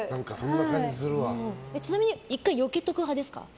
ちなみに１回よけておく派ですか。